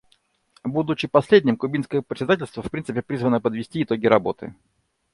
Будучи последним, кубинское председательство в принципе призвано подвести итоги работы.